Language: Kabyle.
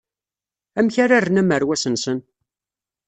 Amek ara rren amerwas-nsen?